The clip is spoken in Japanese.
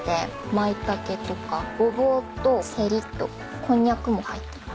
マイタケとかゴボウとセリとこんにゃくも入ってます。